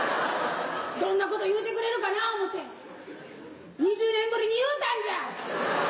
どんなこと言うてくれるかな思うて２０年ぶりに言うたんじゃ！